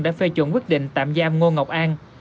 đã phê chuẩn quyết định tạm giam ngô ngọc an